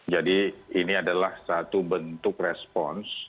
jadi ini adalah satu bentuk respons